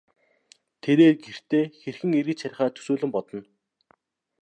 Тэрээр гэртээ хэрхэн эргэж харихаа төсөөлөн бодно.